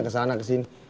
ke sana ke sini